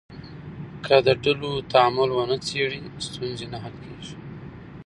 که د ډلو تعامل ونه څېړې، ستونزې نه حل کېږي.